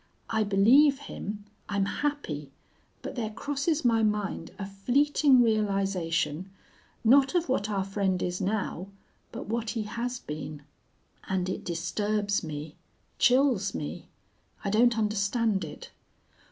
I believe him, I'm happy, but there crosses my mind a fleeting realization not of what our friend is now, but what he has been. And it disturbs me, chills me. I don't understand it.